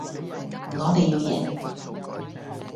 我哋要贏